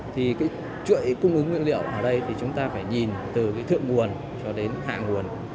thì cái chuỗi cung ứng nguyên liệu ở đây thì chúng ta phải nhìn từ cái thượng nguồn cho đến hạ nguồn